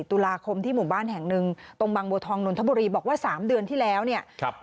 ตุลาคมที่หมู่บ้านแห่งหนึ่งตรงบางบัวทองนนทบุรีบอกว่า๓เดือนที่แล้วเนี่ยครับ